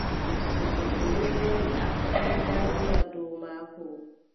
To goɗɗo ɗon jooɗi, a fotaay ndarooɗaa dow maako,